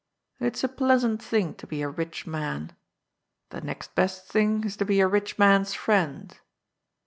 It's a pleasant thing to be a rich man. The next best thing is to be a rich man's friend.